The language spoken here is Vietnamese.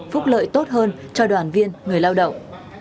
phúc lợi tốt hơn cho đoàn viên người lao động